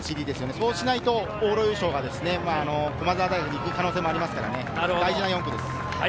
そうしないと往路優勝が駒澤大学に行く可能性がありますので大事な４区です。